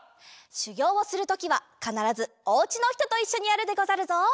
しゅぎょうをするときはかならずおうちのひとといっしょにやるでござるぞ。